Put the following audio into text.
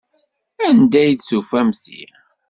Anda ay d-tufamt ti?